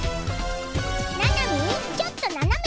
「ななみちょっとななめ